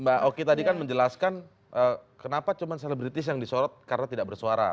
mbak oki tadi kan menjelaskan kenapa cuma selebritis yang disorot karena tidak bersuara